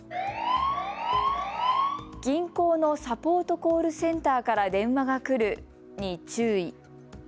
銀行のサポートコールセンターから電話が来るに注意。